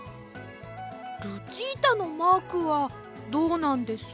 ルチータのマークはどうなんです？